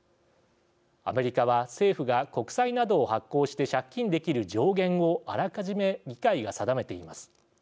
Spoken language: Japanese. アメリカは、政府が国債などを発行して借金できる上限をあらかじめ議会が定めています。